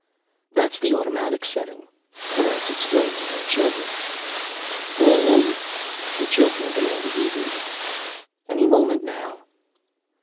"That's the automatic setting," parents explained to their children. "When?" the children demanded eagerly. "Any moment now."